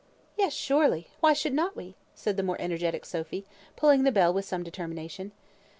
"Yes, surely. Why should not we?" said the more energetic Sophy, pulling the bell with some determination.